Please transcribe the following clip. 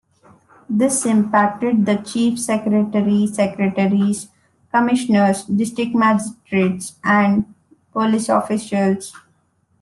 This impacted the Chief Secretary, Secretaries, Commissioners, District Magistrates, and police officials.